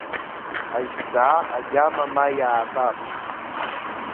Ажьҵаа агьама ма иаабап!